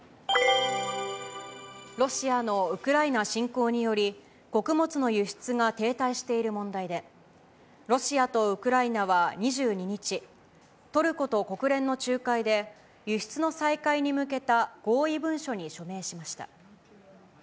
ロシアのウクライナ侵攻により、穀物の輸出が停滞している問題で、ロシアとウクライナは２２日、トルコと国連の仲介で、輸出の再開に向けた合意文書に署名しました。